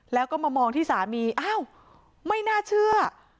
แล้วก็มามองที่สามีอ้าวไม่น่าเชื่อ